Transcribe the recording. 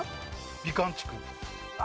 美観地区。